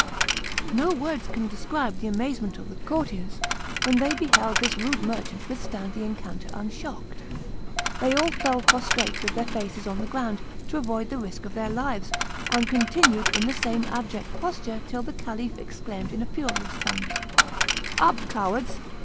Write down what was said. No words can describe the amazement of the courtiers when they beheld this rude merchant withstand the encounter unshocked. They all fell prostrate with their faces on the ground to avoid the risk of their lives, and continued in the same abject posture till the Caliph exclaimed in a furious tone, "Up, cowards!